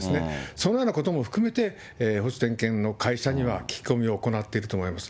そのようなことも含めて、保守点検の会社には聞き込みを行っていると思います。